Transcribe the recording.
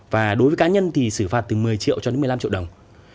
và đối với cá nhân thì xử phạt từ một mươi triệu cho đến một mươi năm triệu đồng